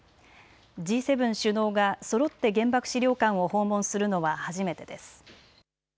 Ｇ７首脳がそろって原爆資料館を訪問するのは初めてです。